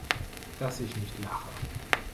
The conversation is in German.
Dass ich nicht lache!